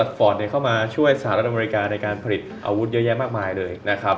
ทหารอเมริกาในการผลิตอาวุธเยอะแยะมากมายเลยนะครับ